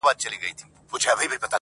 • بېګانه به ورته ټول خپل او پردي سي,